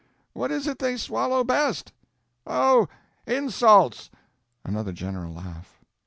"What is it they swallow best?" "Oh, insults." Another general laugh.